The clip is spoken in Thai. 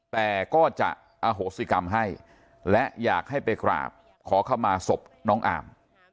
แต่ก็จะอโหสิกรรมให้และอยากให้ไปกราบขอเข้ามาศพน้องอาม